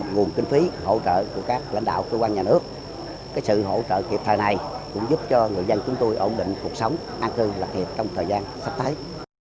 nguồn kinh phí hỗ trợ của các lãnh đạo cơ quan nhà nước sự hỗ trợ kịp thời này cũng giúp cho người dân chúng tôi ổn định cuộc sống an cư lập hiệp trong thời gian sắp tới